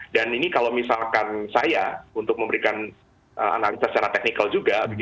dan ini kalau misalkan saya untuk memberikan analisa secara teknikal juga